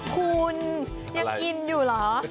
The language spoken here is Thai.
คุณยังอินอยู่เหรอ